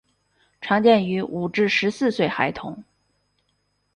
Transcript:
常见于五至十四岁孩童。